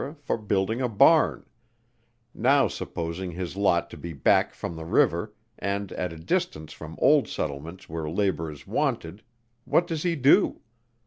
for building a barn now supposing his lot to be back from the river, and at a distance from old settlements where labour is wanted what does he do?